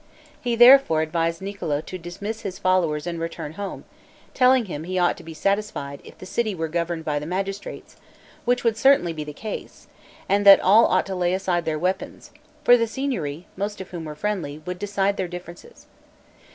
He, therefore, advised Niccolo to dismiss his followers and return home, telling him he ought to be satisfied, if the city were governed by the magistrates, which would certainly be the case, and that all ought to lay aside their weapons; for the Signory, most of whom were friendly, would decide their differences.